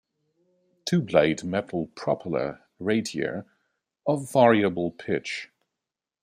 Two-blade metal propeller Ratier, of variable pitch.